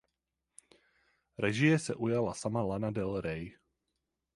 Režie se ujala sama Lana Del Rey.